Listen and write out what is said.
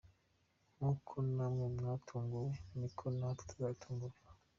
Nk’uko namwe mwatunguwe, niko natwe tuzatungurwa”.